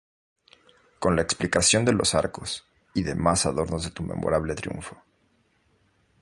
Con la explicación de los Arcos, y demás Adornos de su memorable Triunfo".